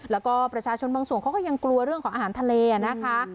แล้วก็ประชาชนบางส่วนเขาก็ยังกลัวเรื่องของอาหารทะเลนะคะ